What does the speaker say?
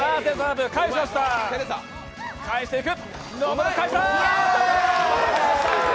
返していく。